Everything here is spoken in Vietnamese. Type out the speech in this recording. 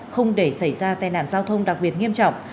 không để xảy ra tai nạn giao thông đặc biệt nghiêm trọng